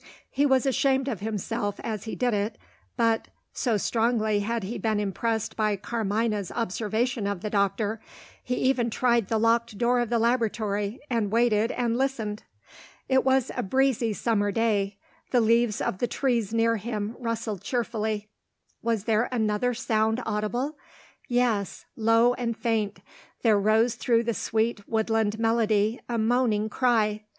He was ashamed of himself as he did it, but (so strongly had he been impressed by Carmina's observation of the doctor) he even tried the locked door of the laboratory, and waited and listened! It was a breezy summer day; the leaves of the trees near him rustled cheerfully. Was there another sound audible? Yes low and faint, there rose through the sweet woodland melody a moaning cry.